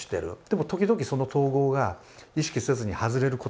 でも時々その統合が意識せずに外れることがある。